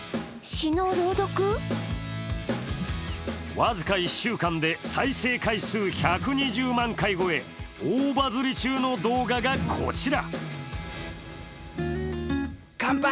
僅か１週間で再生回数１２０万回超え、大バズり中の動画がこちら。